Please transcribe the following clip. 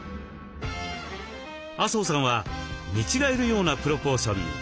麻生さんは見違えるようなプロポーションに。